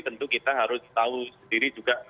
tentu kita harus tahu sendiri juga